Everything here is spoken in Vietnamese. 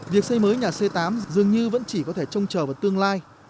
việc xây mới nhà c tám dường như vẫn chỉ có thể trông chờ vào tương lai